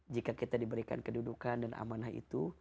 jika kita diberikan kedudukan dan amanah itu